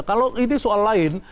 kalau ini soal lain